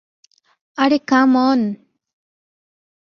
আরে come on!